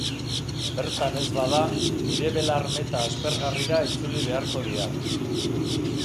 Bertan ez bada, nire belar-meta aspergarrira itzuli beharko diat.